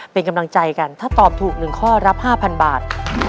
เป็นกำลังใจกันถ้าตอบถูก๑ข้อรับ๕๐๐บาท